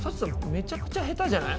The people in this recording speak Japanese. めちゃくちゃヘタじゃない？